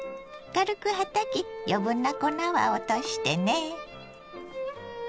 軽くはたき余分な粉は落としてね。